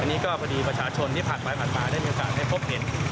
อันนี้ก็พอดีประชาชนที่ผ่านไปผ่านมาได้มีโอกาสได้พบเห็น